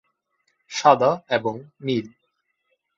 সাদা এবং নীল।